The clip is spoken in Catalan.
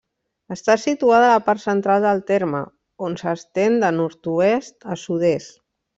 Està situada a la part central del terme, on s'estén de nord-oest a sud-est.